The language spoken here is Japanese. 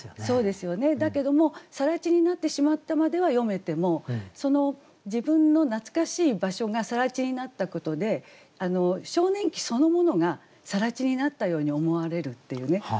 そうですよねだけども更地になってしまったまでは詠めてもその自分の懐かしい場所が更地になったことで少年期そのものが更地になったように思われるっていうね。